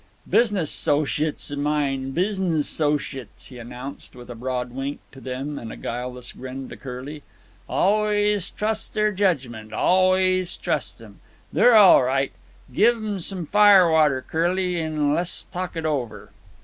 "Business 'sociates of mine, business 'sociates," he announced, with a broad wink to them and a guileless grin to Curly. "Always trust their judgment, always trust 'em. They're all right. Give 'em some fire water, Curly, an' le's talk it over."